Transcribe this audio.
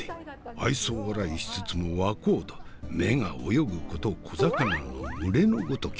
愛想笑いしつつも若人目が泳ぐこと小魚の群れのごとき。